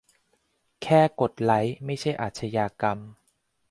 "แค่กดไลค์ ไม่ใช่อาชญากรรม"